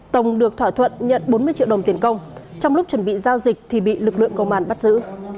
tổng được thỏa thuận nhận bốn mươi triệu đồng tiền công trong lúc chuẩn bị giao dịch thì bị lực lượng công an bắt giữ